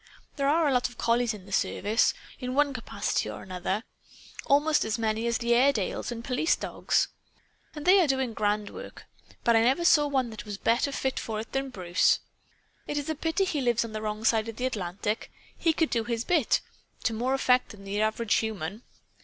There are a lot of collies in the service, in one capacity or another almost as many as the Airedales and the police dogs. And they are doing grand work. But I never saw one that was better fitted for it than Bruce. It's a pity he lives on the wrong side of the Atlantic. He could do his bit, to more effect than the average human.